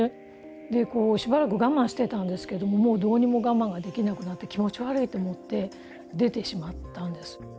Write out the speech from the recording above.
でこうしばらく我慢してたんですけどもうどうにも我慢ができなくなって気持ち悪いと思って出てしまったんです。